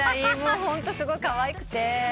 ホントすごいかわいくて。